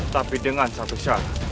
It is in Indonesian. tapi dengan satu syarat